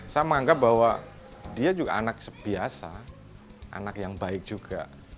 saya menganggap bahwa dia juga anak biasa anak yang baik juga